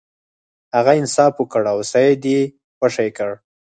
هغه انصاف وکړ او سید یې خوشې کړ.